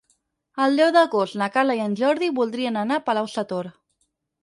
El deu d'agost na Carla i en Jordi voldrien anar a Palau-sator.